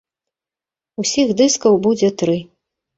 Усіх дыскаў будзе тры.